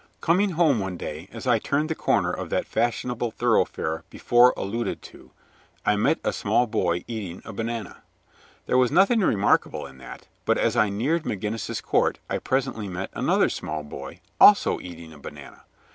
Coming home one day, as I turned the corner of that fashionable thoroughfare before alluded to, I met a small boy eating a banana. There was nothing remarkable in that, but as I neared McGinnis's Court I presently met another small boy, also eating a banana.